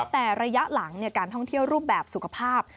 แต่ระยะหลังการท่องเที่ยวรูปแบบสุขภาพ